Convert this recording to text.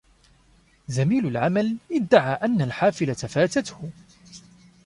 زميل العمل ادعى أن الحافلة فاتته.